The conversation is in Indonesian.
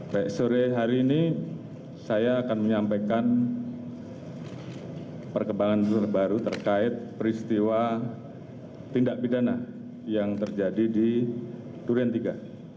baik sore hari ini saya akan menyampaikan perkembangan terbaru terkait peristiwa tindak pidana yang terjadi di durian iii